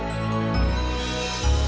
karena aku mau cari bunda aku